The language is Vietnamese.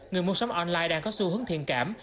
người mua sắm online đang có xu hướng thiền cảm